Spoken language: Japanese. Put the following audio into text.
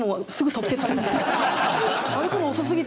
歩くの遅すぎて。